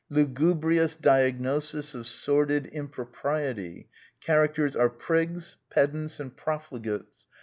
" Lu gubrious diagnosis of sordid impropriety. ... Characters are prigs, pedants, and profligates.